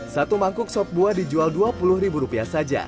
satu mangkuk sop buah dijual dua puluh saja